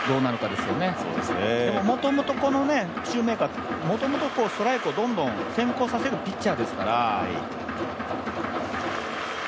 でももともと、シューメーカー、もともとストライクを先行させるピッチャーですから。